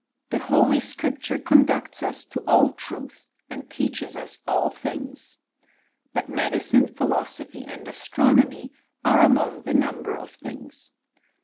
The Holy Scrip ^ tue ooodttcU us to all truth, and teaches us all tUnga. But medicine, philosophy, and astronomy, are among the numher of. things.